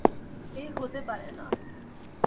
এ হতে পারে না!